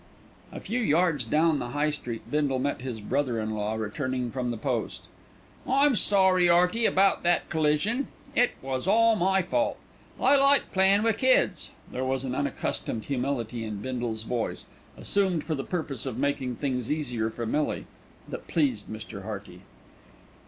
A few yards down the High Street Bindle met his brother in law returning from the post. "I'm sorry, 'Earty, about that collision. It was all my fault. I like playin' wi' kids." There was an unaccustomed humility in Bindle's voice, assumed for the purpose of making things easier for Millie, that pleased Mr. Hearty.